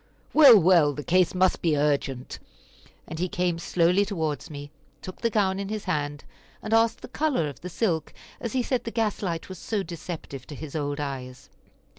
"Well, well, the case must be urgent," and he came slowly towards me, took the gown in his hand, and asked the color of the silk, as he said the gas light was so deceptive to his old eyes.